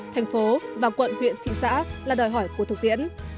thành phố và quận huyện thị xã là đòi hỏi của thực tiễn